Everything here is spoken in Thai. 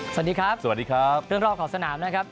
สวัสดีครับสวัสดีครับเรื่องรอบของสนามนะครับ